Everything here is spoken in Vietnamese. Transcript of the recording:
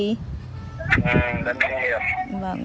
ừ đất nông nghiệp